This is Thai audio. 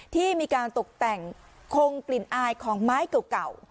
ที่มีการตกแต่งคงกลิ่นอายของไม้เก่า